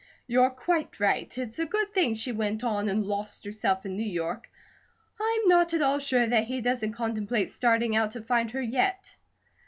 "You're quite right. It's a good thing she went on and lost herself in New York. I'm not at all sure that he doesn't contemplate starting out to find her yet."